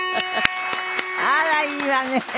あらいいわね。